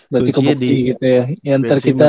berarti kebukti gitu ya